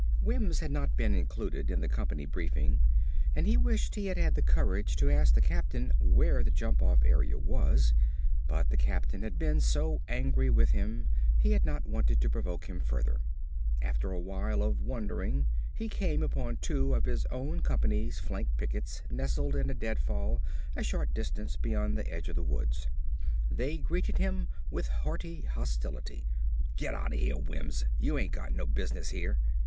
_Wims had not been included in the company briefing and he wished he had had the courage to ask the captain where the jump off area was, but the captain had been so angry with him he had not wanted to provoke him further. After a while of wandering he came upon two of his own company's flank pickets nested in a deadfall a short distance beyond the edge of the woods. They greeted him with hearty hostility. "Git outta here, Wims. You ain't got no business here."